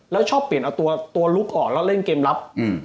แล้วชอบเปลี่ยนเอาตัวลุกออกแล้วเล่นเกมรับ